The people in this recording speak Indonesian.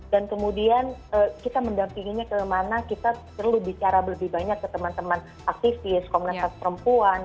dan kemudian kita mendampinginya kemana kita perlu bicara lebih banyak ke teman teman aktivis komunitas perempuan